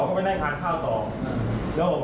พี่แล้ว